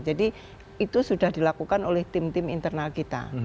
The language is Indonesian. jadi itu sudah dilakukan oleh tim tim internal kita